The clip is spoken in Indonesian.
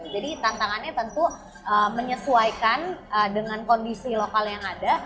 jadi tantangannya tentu menyesuaikan dengan kondisi lokal yang ada